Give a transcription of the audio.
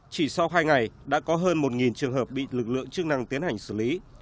chỉ sau hai ngày đã có hơn một trường hợp bị lực lượng chức năng tiến hành xử lý